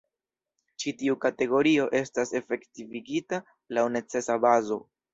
Ĉi tiu kategorio estas efektivigita laŭ necesa bazo.